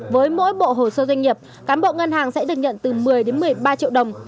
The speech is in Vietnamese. với mỗi bộ hồ sơ doanh nghiệp cán bộ ngân hàng sẽ được nhận từ một mươi một mươi ba triệu đồng